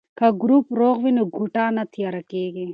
که ګروپ روغ وي نو کوټه نه تیاره کیږي.